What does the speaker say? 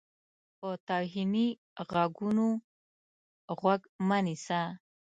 په توهیني غږونو غوږ مه نیسه.